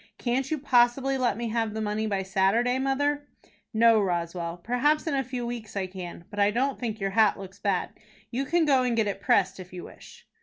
"Can't you possibly let me have the money by Saturday, mother?" "No, Roswell. Perhaps in a few weeks I can. But I don't think your hat looks bad. You can go and get it pressed if you wish."